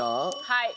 はい。